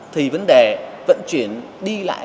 thì vấn đề vận chuyển đi lại